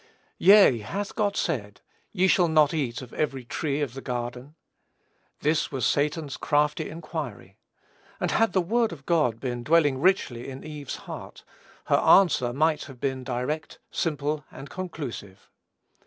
"Yea, hath God said, ye shall not eat of every tree of the garden?" This was Satan's crafty inquiry; and had the word of God been dwelling richly in Eve's heart, her answer might have been direct, simple, and conclusive.